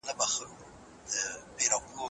کابل د نړیوالي ټولني د رغنده وړاندیزونو رد نه کوي.